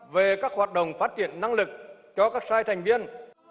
về các hoạt động phát triển năng lực cho các sai thành viên